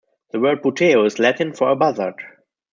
The word "buteo" is Latin for a buzzard.